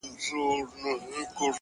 د زړه صفا د فکر صفا پیاوړې کوي.!